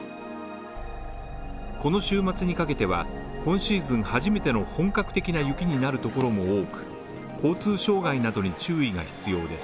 この週末にかけては今シーズン初めての本格的な雪になるところも多く、交通障害などに注意が必要です。